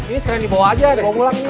ini sering dibawa aja deh